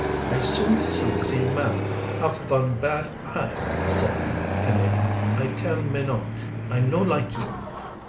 "I soon see ze man haf von bad eye," said the Canadian. "I tell Menot I no like heem.